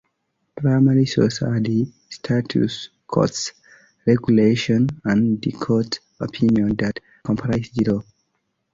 Primary sources are the statutes, codes, regulations and court opinions that comprise the law.